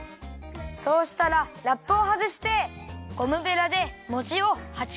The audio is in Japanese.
そうしたらラップをはずしてゴムベラでもちを８こに切りわけます。